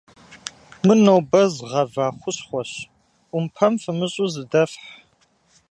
Мыр нобэ згъэва хущхъуэщ, Ӏумпэм фымыщӀу зыдэфхь.